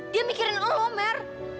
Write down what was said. dia mikirin lo mer